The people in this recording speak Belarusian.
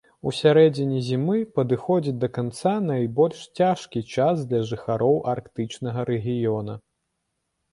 У сярэдзіне зімы падыходзіць да канца найбольш цяжкі час для жыхароў арктычнага рэгіёна.